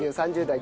３０代